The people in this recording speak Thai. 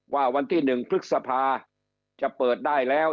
ว่าวันที่๑พฤษภาจะเปิดได้แล้ว